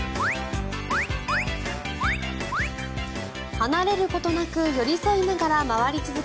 離れることなく寄り添いながら回り続け